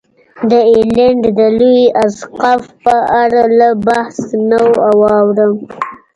د ایرلنډ د لوی اسقف په اړه له بحث نه واوړم.